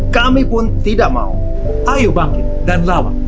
kami pun tidak mau ayo bangkit dan lawan